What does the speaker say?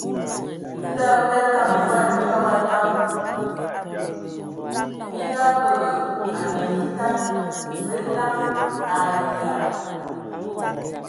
Nao be ngatam voan hkobo a taŋ. minkabǝga ane mitan, be laŋan ayǝa. Edɔ.